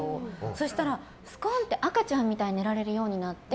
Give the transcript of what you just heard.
そしたら、スコーンって赤ちゃんみたいに寝られるようになって。